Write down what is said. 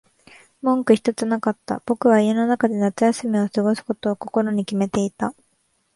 文句ひとつなかった。僕は家の中で夏休みを過ごすことを心に決めていた。